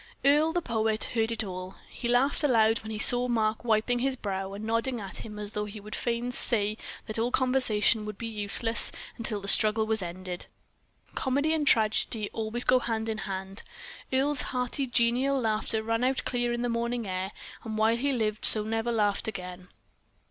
Earle, the poet, heard it all. He laughed aloud when he saw Mark wiping his brow, and nodding at him as though he would fain say that all conversation would be useless until the struggle was ended. Comedy and tragedy always go hand in hand. Earle's hearty, genial laugh rang out clear on the morning air, and while he lived he never so laughed again.